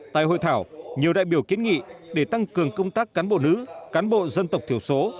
tại hội thảo nhiều đại biểu kiến nghị để tăng cường công tác cán bộ nữ cán bộ dân tộc thiểu số